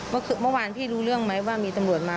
เมื่อวานพี่รู้เรื่องไหมว่ามีตำรวจมา